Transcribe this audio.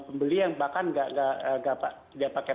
pembeli yang bahkan tidak pakai